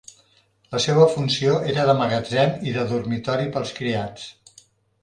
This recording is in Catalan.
La seva funció era de magatzem i de dormitori pels criats.